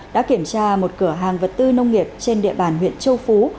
đã kiểm tra một cửa hàng vật tư nông nghiệp trên địa bàn huyện châu phú